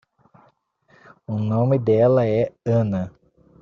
O nome dela é Ana.